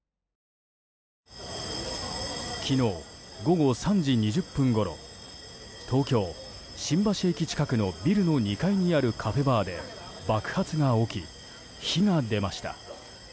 昨日、午後３時２０分ごろ東京・新橋駅近くのビルの２階にあるカフェバーで爆発が起き、火が出ました。